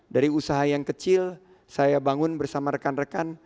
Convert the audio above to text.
dari usaha yang kecil saya bangun bersama rekan rekan